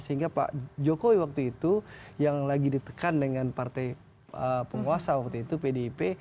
sehingga pak jokowi waktu itu yang lagi ditekan dengan partai penguasa waktu itu pdip